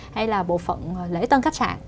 hay là bộ phận lễ tân khách sạn